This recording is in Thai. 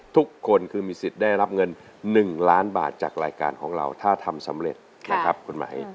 ทุกคนคือมีสิทธิ์ได้รับเงิน๑ล้านบาทจากรายการของเราถ้าทำสำเร็จนะครับคุณหมาย